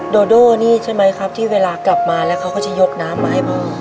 โดโด่นี่ใช่ไหมครับที่เวลากลับมาแล้วเขาก็จะยกน้ำมาให้พ่อ